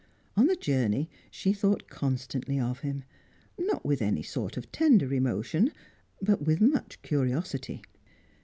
On the journey she thought constantly of him; not with any sort of tender emotion, but with much curiosity.